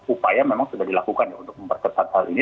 upaya memang sudah dilakukan ya untuk memperketat hal ini